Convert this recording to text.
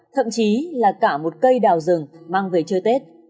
thậm chí là cả một cây đào rừng mang về chơi tết